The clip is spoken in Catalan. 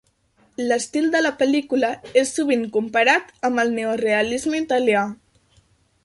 L'estil de la pel·lícula és sovint comparat amb el neorealisme italià.